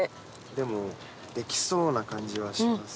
でもできそうな感じはします。